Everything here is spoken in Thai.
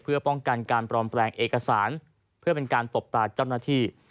เพื่อป้องกันการปลอมแปลงเอกสารเพื่อเป็นการตบตาเจ้าหน้าที่